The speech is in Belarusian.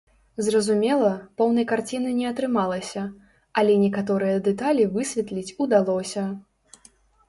Зразумела, поўнай карціны не атрымалася, але некаторыя дэталі высветліць удалося.